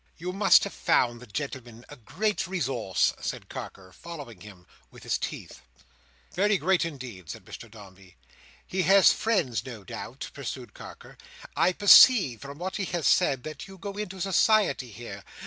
"You must have found the gentleman a great resource," said Carker, following him with his teeth. "Very great indeed," said Mr Dombey. "He has friends here, no doubt," pursued Carker. "I perceive, from what he has said, that you go into society here.